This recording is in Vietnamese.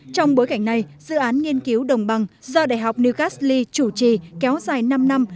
trong bối cảnh này dự án nghiên cứu đồng bằng do đại học newcastle chủ trì kéo dài năm năm